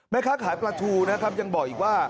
แม่ค้าขายปลาทูนะครับยังบอกอีกว่า